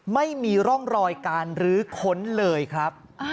ไม่มีร่องรอยการรื้อค้นเลยครับ